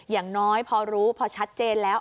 อย่างน้อยพอรู้พอชัดเจนแล้ว